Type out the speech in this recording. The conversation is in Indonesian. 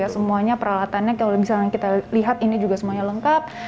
semuanya peralatannya kalau misalnya kita lihat ini juga semuanya lengkap